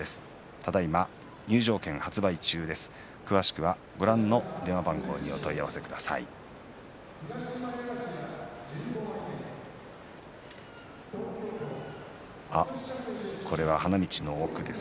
ただいま入場券発売中です。